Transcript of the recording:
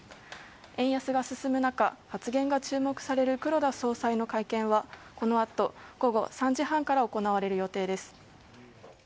円安が進む中、発言が注目される黒田総裁の会見はこのあと午後３時半から行われる予定です。